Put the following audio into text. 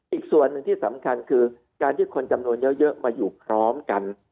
อีกส่วนหนึ่งที่สำคัญคือการที่คนจำนวนเยอะมาอยู่พร้อมกัน